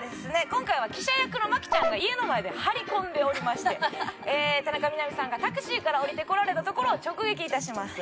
今回は記者役の麻貴ちゃんが家の前で張り込んでおりまして田中みな実さんがタクシーから降りてこられたところを直撃いたします。